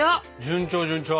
順調順調。